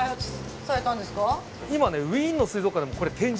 今ねウィーンの水族館でもこれ展示でも使ってる。